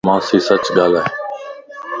مانسين سچ ڳالھائي